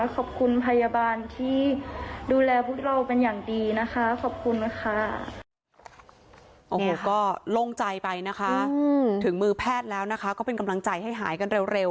ขอบคุณพยาบาลที่ดูแลพวกเราเป็นอย่างดีนะคะขอบคุณค่ะ